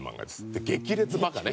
で『激烈バカ』ね。